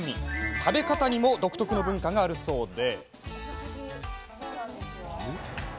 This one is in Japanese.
食べ方にも独特の文化があるそうで。